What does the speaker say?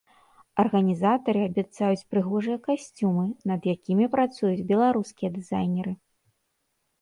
Арганізатары абяцаюць прыгожыя касцюмы, над якімі працуюць беларускія дызайнеры.